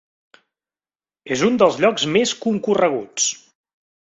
És un lloc dels més concorreguts.